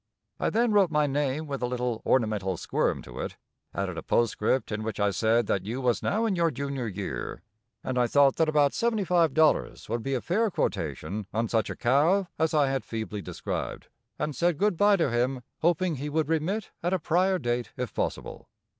I then wrote my name with a little ornamental squirm to it, added a postscript in which I said that you was now in your junior year, and I thought that about seventy five dollars would be a fair quotation on such a cow as I had feebly described, and said good by to him, hoping he would remit at a prior date if possible.